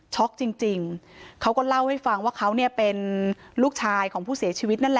ช็อคจริงเขาก็เล่าให้ฟังว่าเค้าเนี่ยเป็นลูกชายของผู้เสียชีวิต